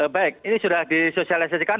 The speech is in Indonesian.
baik ini sudah disosialisasikan